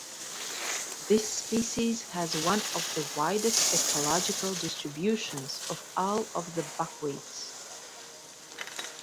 This species has one of the widest ecological distributions of all of the buckwheats.